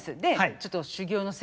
ちょっと修業の成果を。